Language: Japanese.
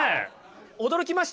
驚きました？